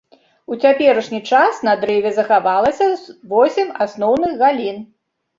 У цяперашні час на дрэве захавалася восем асноўных галін.